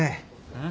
うん？